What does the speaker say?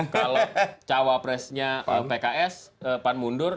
kalau cawapresnya pks pan mundur